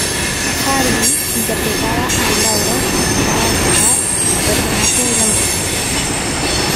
Hardy interpretaba a un ladrón que intentaba atracar al personaje de Laurel.